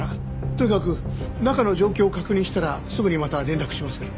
とにかく中の状況を確認したらすぐにまた連絡しますから。